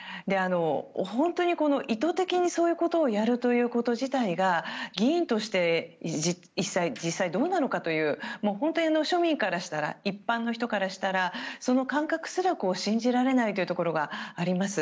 本当に意図的にそういうことをやること自体が議員として実際、どうなのかという本当に、庶民からしたら一般の人からしたらその感覚すら信じられないというところがあります。